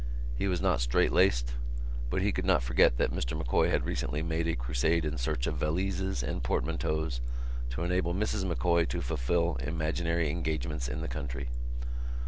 He was not straight laced, but he could not forget that Mr M'Coy had recently made a crusade in search of valises and portmanteaus to enable Mrs M'Coy to fulfil imaginary engagements in the country.